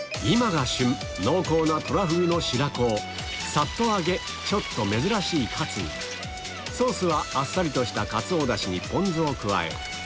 今が旬濃厚なトラフグの白子をサッと揚げちょっと珍しいカツにソースはあっさりとしたかつおダシにポン酢を加え